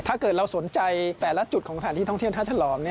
ถ้าเกิดเราสนใจแต่ละจุดของสถานที่ท่องเที่ยวท่าฉลอม